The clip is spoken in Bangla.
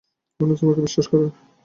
মানুষ তোমাকে বিশ্বাস করে।